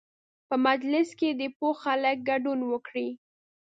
په مجلس کې دې پوه خلک ګډون وکړي.